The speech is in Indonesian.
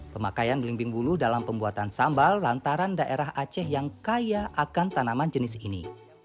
pemakaian belimbing bulu dalam pembuatan sambal lantaran daerah aceh yang kaya akan tanaman jenis ini